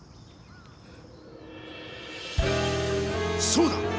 そうだ！